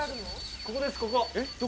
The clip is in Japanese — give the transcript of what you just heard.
ここですここ。